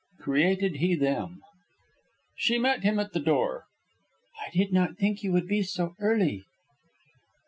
CREATED HE THEM She met him at the door. "I did not think you would be so early."